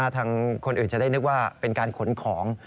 ทางคนอื่นจะได้นึกว่าเป็นการขนของ